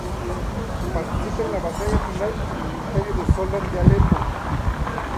Participa en la batalla final en el imperio de soldán de Alepo.